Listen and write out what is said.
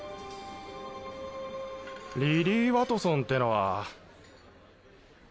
リリー・ワトソンってのは。